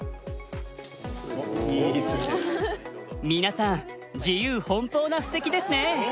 皆さん自由奔放な布石ですね。